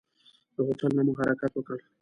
له هوټل نه مو حرکت وکړ.